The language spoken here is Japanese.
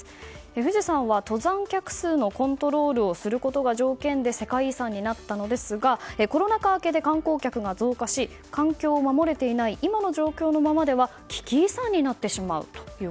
富士山は登山客数のコントロールをすることが条件で世界遺産になったのですがコロナ禍明けで観光客が増加し環境を守れていない今の状況のままでは危機遺産になってしまう